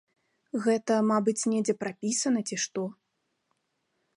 Гэта, мабыць, недзе прапісана ці што.